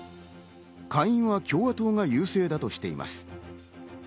下院は共和党が優勢だとしています。